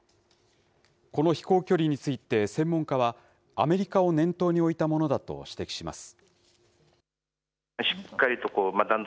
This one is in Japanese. この飛行距離について、専門家は、アメリカを念頭に置いたものだと指摘します。